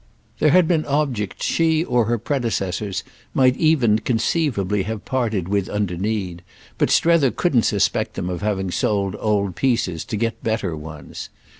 There had been objects she or her predecessors might even conceivably have parted with under need, but Strether couldn't suspect them of having sold old pieces to get "better" ones.